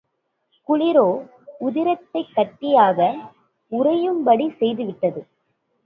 குளிரோ உதிரத்தைக் கட்டியாக உறையும்படி செய்து விட்டது.